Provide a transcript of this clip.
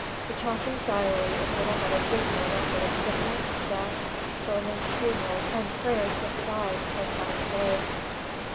The chaplain's diary is little but a dismal record of sickness, death, sermons, funerals, and prayers with the dying ten times a day.